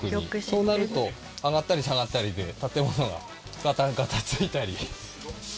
そうなると上がったり下がったりで建物がガタついたり。